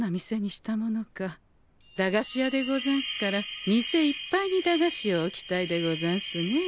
駄菓子屋でござんすから店いっぱいに駄菓子を置きたいでござんすね。